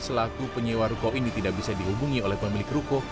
selaku penyewa ruko ini tidak bisa dihubungi oleh pemilik ruko